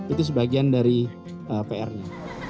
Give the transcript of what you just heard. itu sebagian dari pr nya